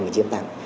mà chiến thắng